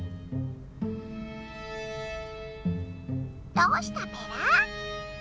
「どうしたペラ？」。